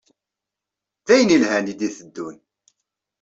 D ayen yelhan i d-iteddun.